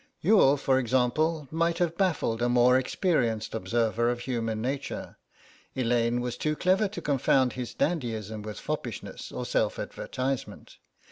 Youghal, for example, might have baffled a more experienced observer of human nature. Elaine was too clever to confound his dandyism with foppishness or self advertisement.